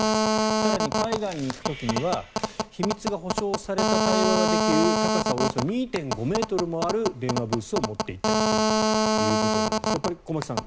更に海外に行く時には秘密が保障された対話ができる高さおよそ２．５ｍもある電話ブースを持って行ったりするということですが駒木さん